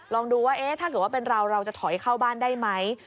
ลองดูว่าถ้าเกิดว่าเป็นเราเราจะถอยเข้าบ้านได้ไหม